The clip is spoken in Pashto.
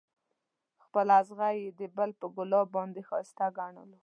خپل اغزی یې د بل پر ګلاب باندې ښایسته ګڼلو.